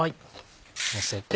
のせて。